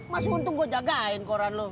mas untung gua jagain koran lu